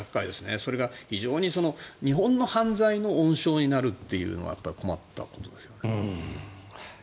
それが日本の犯罪の温床になるというのが困ったことですよね。